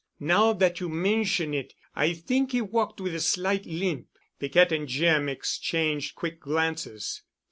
Now that you mention it, I think he walked with a slight limp." Piquette and Jim exchanged quick glances.